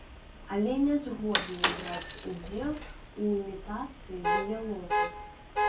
Але не згодны браць удзел у імітацыі дыялогу.